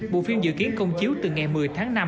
bộ phim dự kiến công chiếu từ ngày một mươi tháng năm